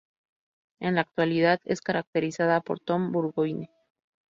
En la actualidad es caracterizada por Tom Burgoyne.